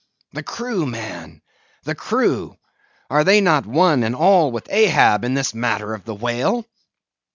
The crew, man, the crew! Are they not one and all with Ahab, in this matter of the whale?